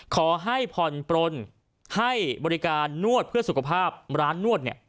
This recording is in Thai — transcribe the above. ขอให้ผ่อนปลนให้บริการนวดเพื่อสุขภาพร้านนวดเนี่ย